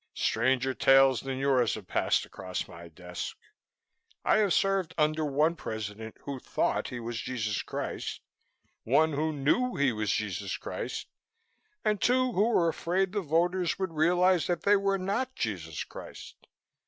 Stranger tales than yours have passed across my desk. I have served under one President who thought he was Jesus Christ, one who knew he was Jesus Christ and two who were afraid the voters would realize that they were not Jesus Christ.